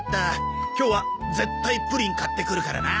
今日は絶対プリン買ってくるからな。